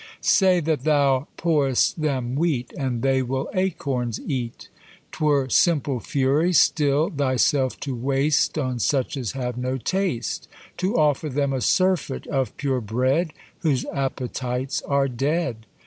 Say that thou pour'st them wheat, And they will acorns eat; 'Twere simple fury, still, thyself to waste On such as have no taste! To offer them a surfeit of pure bread, Whose appetites are dead!